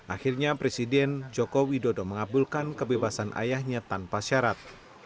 akhirnya presiden jokowi dodo mengabulkan kebebasan ayahnya tanpa syarat